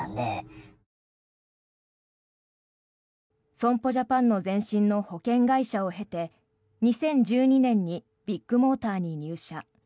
損保ジャパンの前身の保険会社を経て２０１２年にビッグモーターに入社。